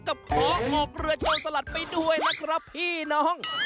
ขอออกเรือโจรสลัดไปด้วยนะครับพี่น้อง